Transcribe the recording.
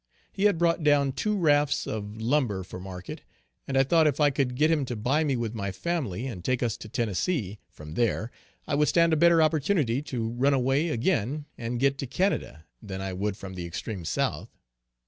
He had brought down two rafts of lumber for market, and I thought if I could get him to buy me with my family, and take us to Tennessee, from there, I would stand a better opportunity to run away again and get to Canada, than I would from the extreme South.